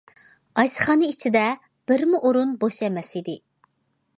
ئاشخانا ئىچىدە بىرمۇ ئورۇن بوش ئەمەس ئىدى.